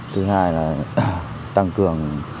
thứ hai là tăng cường